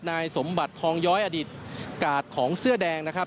นายสมบัติทองย้อยอดิษฐ์กาดของเสื้อแดงนะครับ